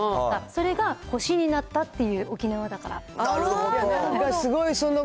それが星になったっていう沖縄だなるほど。